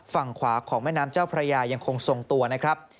ฝั่งขวาของแม่น้ำเจ้าพระยายังคงทรงตัวนะครับ